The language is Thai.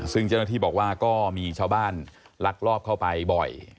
ซึ่งเจ้าหน้าที่บอกว่าก็มีชาวบ้านลักลอบเข้าไปบ่อย